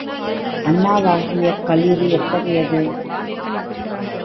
அண்ணாவாகிய களிறு எத்தகையது?